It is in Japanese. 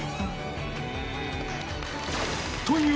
という